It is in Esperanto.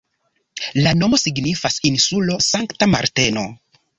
La nomo signifas "insulo Sankta Marteno".